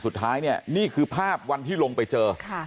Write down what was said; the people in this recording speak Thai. สุดท้ายเนี่ยนี่คือภาพวันที่ลงไปเจอ